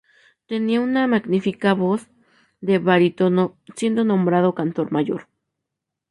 Tenía una magnífica voz de barítono, siendo nombrado cantor mayor.